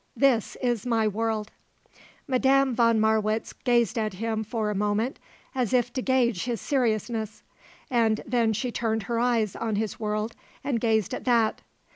This is my world." Madame von Marwitz gazed at him for a moment as if to gauge his seriousness. And then she turned her eyes on his world and gazed at that.